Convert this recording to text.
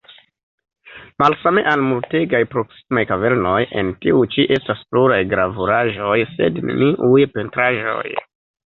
Malsame al multegaj proksimaj kavernoj, en tiu ĉi estas pluraj gravuraĵoj, sed neniuj pentraĵoj.